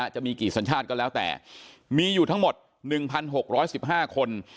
จะมีกี่สัญชาติก็แล้วแต่มีอยู่ทั้งหมด๑๖๑๕คน